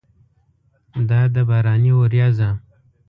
دا ده باراني ورېځه!